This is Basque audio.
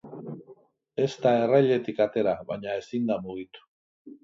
Ez da errailetik atera, baina ezin da mugitu.